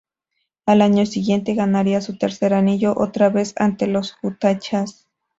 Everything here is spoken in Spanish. Al año siguiente ganaría su tercer anillo, otra vez ante los Utah Jazz.